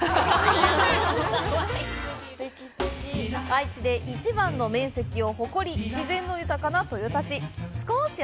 愛知で一番の面積を誇り自然の豊かな豊田市。